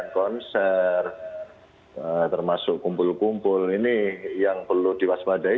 konser termasuk kumpul kumpul ini yang perlu diwaspadai